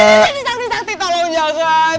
eh sakti tolong jangan